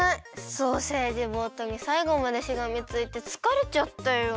ソーセージボートにさいごまでしがみついてつかれちゃったよ。